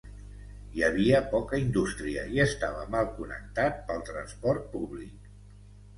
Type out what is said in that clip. Hi havia poca indústria i estava mal connectat pel transport públic.